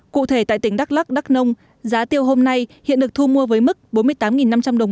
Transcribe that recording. cụ thể tại tỉnh đắk lắc đắk nông giá tiêu hôm nay hiện được thu mua với mức bốn mươi tám năm trăm linh đồng